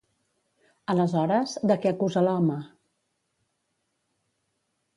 Aleshores, de què acusa l'home?